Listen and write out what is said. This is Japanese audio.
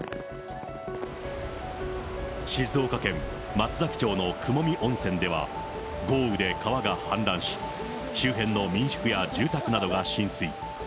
静岡県松崎町の雲見温泉では、豪雨で川が氾濫し、周辺の民宿や自宅などが浸水。